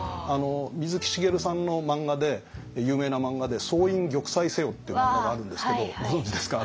水木しげるさんの漫画で有名な漫画で「総員玉砕せよ」って漫画があるんですけどご存じですか？